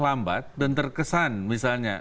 lambat dan terkesan misalnya